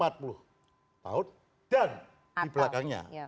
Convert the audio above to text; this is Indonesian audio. dan di belakangnya